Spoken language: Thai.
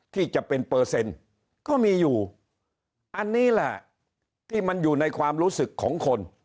ที่จะเป็นเปอร์เซ็นต์ก็มีอยู่อันนี้แหละที่มันอยู่ในความรู้สึกของคน